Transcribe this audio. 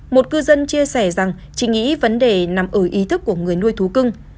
một cư dân chia sẻ rằng chị nghĩ vấn đề nằm ở ý thức của người nuôi thú cưng